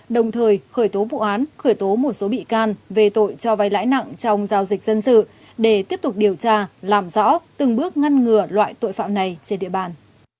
đồng thời khởi tố vụ án khởi tố một số bị can về tội cho vay lãi nặng trong giao dịch dân sự để tiếp tục điều tra làm rõ từng bước ngăn ngừa loại tội phạm này trên địa bàn